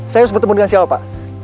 saya harus bertemu dengan siapa